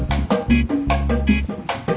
sekalian sama si tepe